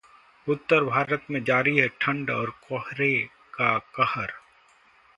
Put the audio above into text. उत्तर भारत में जारी है ठंढ और कोहरे का कहर